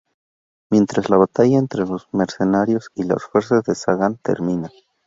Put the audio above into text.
Mientras, la batalla entre los mercenarios y las fuerzas de Sagan termina.